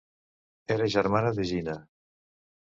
Era germana d'Egina.